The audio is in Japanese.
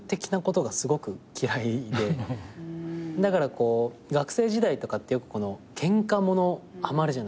だからこう学生時代とかってケンカ物ハマるじゃないですか。